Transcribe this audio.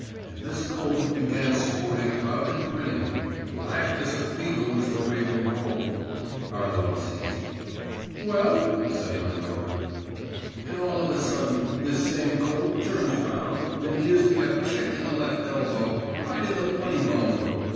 And this colt began sporting about and grinning. Black as a beetle was the raven colt.' Harlov ceased. 'Well?' said my mother. 'And all of a sudden this same colt turns round, and gives me a kick in the left elbow, right in the funny bone.